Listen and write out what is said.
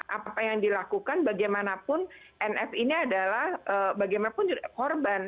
apa yang dilakukan bagaimanapun nf ini adalah bagaimanapun juga korban